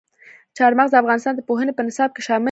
چار مغز د افغانستان د پوهنې په نصاب کې شامل دي.